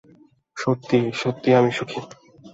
সত্যিই, সত্যিই আমি সুখী।